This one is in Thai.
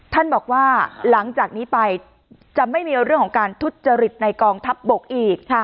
ท่านบอกว่าหลังจากนี้ไปจะไม่มีเรื่องของการทุจริตในกองทัพบกอีก